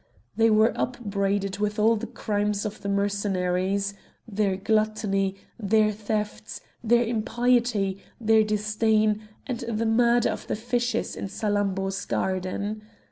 They were upbraided with all the crimes of the Mercenaries; their gluttony, their thefts, their impiety, their disdain, and the murder of the fishes in Salammbô's garden.